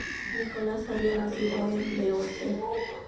Nicolás había nacido en Beocia.